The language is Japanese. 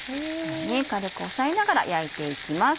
軽く押さえながら焼いて行きます。